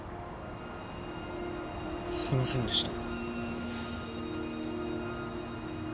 すいませんでした。